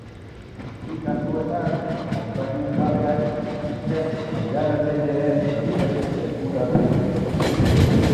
Bi kasuetan, konpainien jabeak izen-mailegatzaileen bidez ezkutatu zituzten.